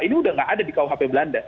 ini udah nggak ada di kuhp belanda